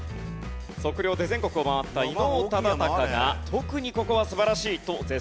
測量で全国を回った伊能忠敬が特にここは素晴らしいと絶賛した場所。